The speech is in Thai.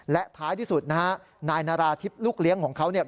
และท้ายที่สุดนะฮะนายนาราธิบลูกเลี้ยงของเขาเนี่ย